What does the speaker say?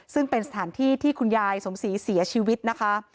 ซึ่งเป็นสถานที่ที่คุณยายสมศรีเสียชีวิตนะคะ